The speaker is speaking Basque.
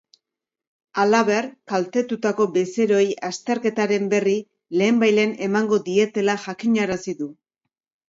Halaber, kaltetutako bezeroei azterketaren berri lehenbailehen emango dietela jakinarazi du.